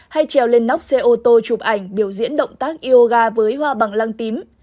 hay trèo lên nóc xe ô tô chụp ảnh biểu diễn động tác yoga với hoa bằng lăng tím